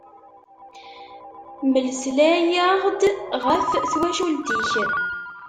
Melslay-aɣ-d ɣef twacult-ik!